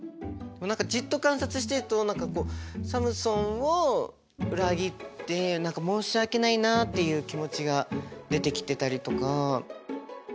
何かじっと観察してると何かこうサムソンを裏切って何か申し訳ないなっていう気持ちが出てきてたりとか。